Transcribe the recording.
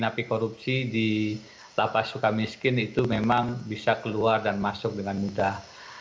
napi korupsi di lapas suka miskin itu memang bisa keluar dan masuk dengan mudah